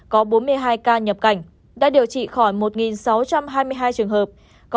có bốn mươi hai ca nhập cảnh đã điều trị khỏi một sáu trăm hai mươi hai trường hợp